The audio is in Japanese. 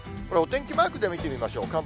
お天気マークで見てみましょう。